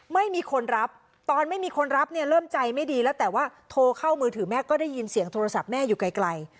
ไม่มีคนรับตอนไม่มีคนรับเนี่ยเริ่มใจไม่ดีแล้วแต่ว่าโทรเข้ามือถือแม่ก็ได้ยินเสียงโทรศัพท์แม่อยู่ไกล